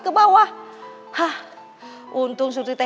ke bawah hah untung sudah